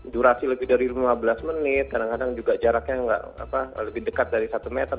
durasi lebih dari lima belas menit kadang kadang juga jaraknya lebih dekat dari satu meter